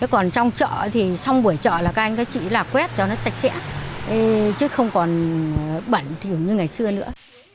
còn trong chợ thì xong buổi chợ là các anh các chị là quét cho nó sạch sẽ chứ không còn bẩn thiểu như ngày xưa nữa